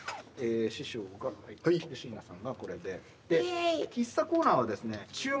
椎名さんがこれで喫茶コーナーはですね。